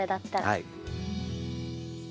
はい。